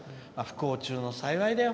不幸中の幸いだよ。